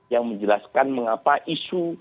yang menjelaskan mengapa isu